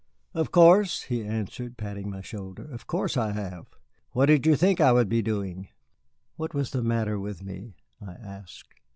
"Of course," he answered, patting my shoulder. "Of course I have. What did you think I would be doing?" "What was the matter with me?" I asked.